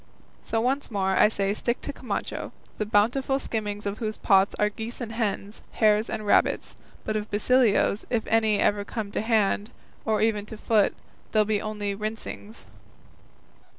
So once more I say I stick to Camacho, the bountiful skimmings of whose pots are geese and hens, hares and rabbits; but of Basilio's, if any ever come to hand, or even to foot, they'll be only rinsings."